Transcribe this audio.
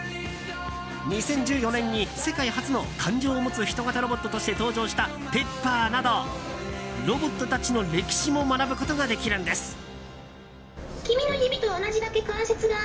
２０１４年に世界初の感情を持つ人型ロボットとして登場したＰｅｐｐｅｒなどロボットたちの歴史も学ぶことができるんです。